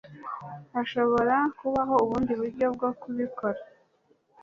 Hashobora kubaho ubundi buryo bwo kubikora